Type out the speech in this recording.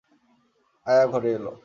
আয়া ঘরে এল।